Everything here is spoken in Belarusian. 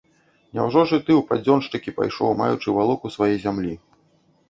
Няўжо ж і ты ў падзёншчыкі пайшоў, маючы валоку свае зямлі?